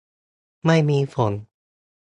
ไม่มีฝน